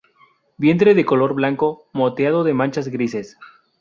Vientre de color blanco, moteado de manchas grises.